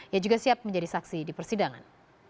ia juga siap menjadi saksi di persidangan